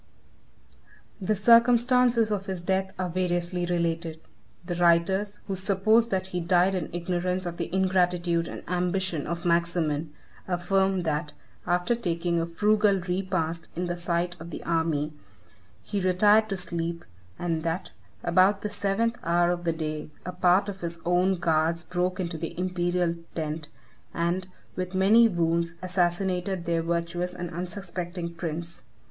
The circumstances of his death are variously related. The writers, who suppose that he died in ignorance of the ingratitude and ambition of Maximin affirm that, after taking a frugal repast in the sight of the army, he retired to sleep, and that, about the seventh hour of the day, a part of his own guards broke into the imperial tent, and, with many wounds, assassinated their virtuous and unsuspecting prince.